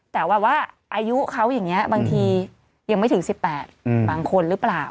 แต่ว่าอายุเขาอย่างนี้บางทียังไม่ถึง๑๘บางคนหรือเปล่า